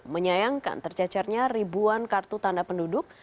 menyayangkan tercecernya ribuan kartu tanda penduduk